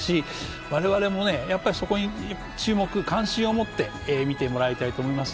我々もそこに関心を持って見てもらいたいと思います。